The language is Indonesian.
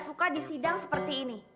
saya nggak suka disidang seperti ini